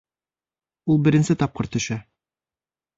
Ул беренсе тапкыр төшә